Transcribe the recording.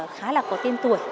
khá là có tên tuổi